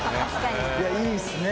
いいっすね